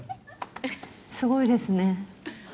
すごいですね。